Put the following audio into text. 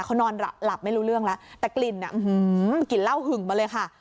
เขานอนหลับไม่รู้เรื่องแล้วแต่กลิ่นกลิ่นเหล้าหึงมาเลยค่ะ